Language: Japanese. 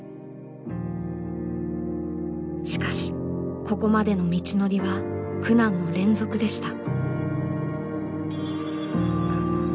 しかしここまでの道のりは苦難の連続でした。